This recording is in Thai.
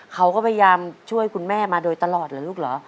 เขาก็พยายามช่วยคุณแม่มาโดยตลอดเหรอลูกเหรอ